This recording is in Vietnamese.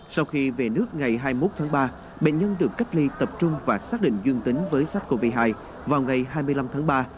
sau khi về nước ngày hai mươi một tháng ba bệnh nhân được cách ly tập trung và xác định dương tính với sars cov hai vào ngày hai mươi năm tháng ba